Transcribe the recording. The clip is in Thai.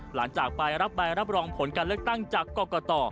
หลังจากไปรับใบรับรองผลการเลือกตั้งจากกรกต